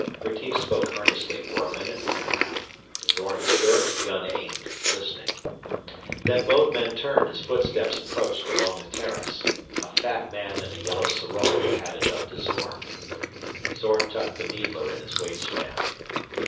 Retief spoke earnestly for a minute and a half. Zorn stood, gun aimed, listening. Then both men turned as footsteps approached along the terrace. A fat man in a yellow sarong padded up to Zorn. Zorn tucked the needler in his waistband.